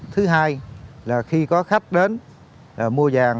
thứ hai là khi có khách đến mua vàng